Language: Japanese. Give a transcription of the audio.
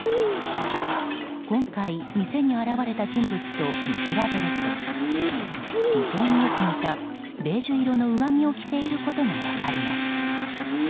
今回、店に現れた人物と見比べると非常によく似たベージュ色の上着を着ていることが分かります。